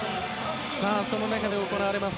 その中で行われます